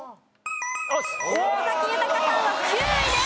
尾崎豊さんは９位です。